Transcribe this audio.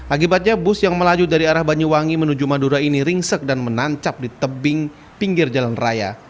akibatnya bus yang melaju dari arah banyuwangi menuju madura ini ringsek dan menancap di tebing pinggir jalan raya